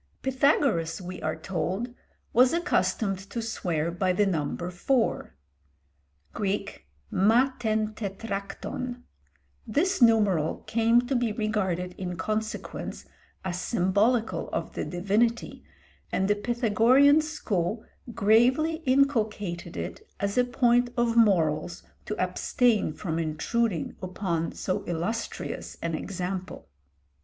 Pythagoras, we are told, was accustomed to swear by the number four, [Greek: ma tên tetrakton]. This numeral came to be regarded in consequence as symbolical of the divinity, and the Pythagorean school gravely inculcated it as a point of morals to abstain from intruding upon so illustrious an example.